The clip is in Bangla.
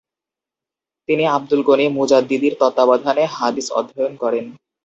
তিনি আবদুল গণি মুজাদ্দিদির তত্ত্বাবধানে হাদিস অধ্যয়ন করেন।